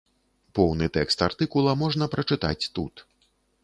Поўны тэкст артыкула можна прачытаць тут.